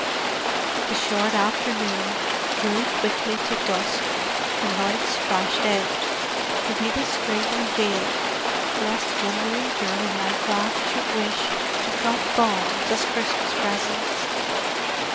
The short afternoon drew quickly to dusk, and lights flashed out—to be discreetly veiled, lest wandering German aircraft should wish to drop bombs as Christmas presents.